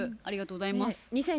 ありがとうございます。